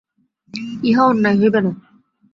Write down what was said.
ইহার অন্যথা হইবে না।